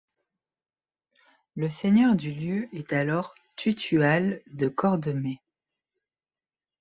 Le seigneur du lieu est alors Tutual de Cordemais.